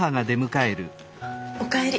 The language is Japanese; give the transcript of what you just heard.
お帰り。